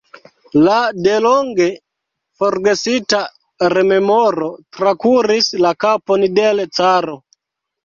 Ia delonge forgesita rememoro trakuris la kapon de l' caro.